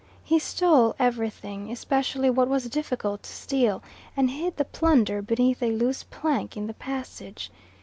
He stole everything, especially what was difficult to steal, and hid the plunder beneath a loose plank in the passage.